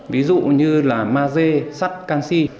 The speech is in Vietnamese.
ví dụ như maze sắt canxi